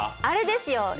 あれですよ！